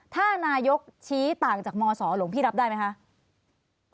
ถ้านายกชี้ต่างจากมศหลวงพี่รับได้ไหมคะ